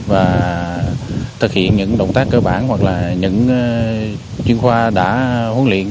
và thực hiện những động tác cơ bản hoặc là những chuyên khoa đã huấn luyện